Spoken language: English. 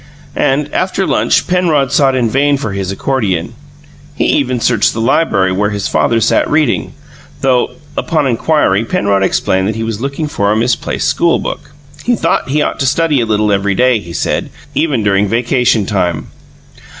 And, after lunch, Penrod sought in vain for his accordion; he even searched the library where his father sat reading, though, upon inquiry, Penrod explained that he was looking for a misplaced schoolbook. He thought he ought to study a little every day, he said, even during vacation time.